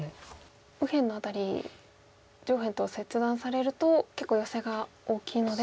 右辺のあたり上辺と切断されると結構ヨセが大きいので。